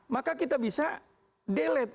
maka kita bisa delete